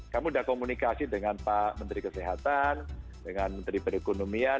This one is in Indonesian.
kamu sudah komunikasi dengan pak menteri kesehatan dengan menteri perekonomian